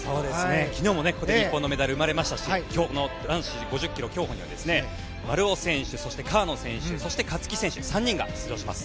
昨日もここで日本のメダルが生まれましたし今日の男子５０ｋｍ競歩には丸尾選手、そして川野選手そして勝木選手、３人が出場します。